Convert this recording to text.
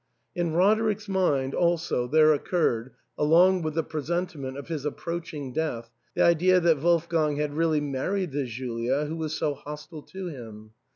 In Roderick's mind also there occurred, along with the presentiment of his approach ing death, the idea that Wolfgang had really married the Julia who was so hostile to him.